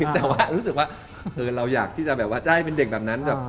แต่ว่ารู้สึกว่าเราอยากที่จะเป็นเด็กแบบนั้น